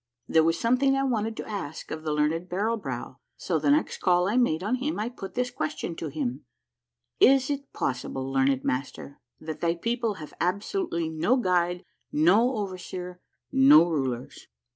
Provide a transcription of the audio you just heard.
There was something I wanted to ask of the learned Barrel Brow, so the next call I made on him I put this question to him :—" Is it possible, learned Master, that thy people have abso lutely no guide, no overseer, no rulers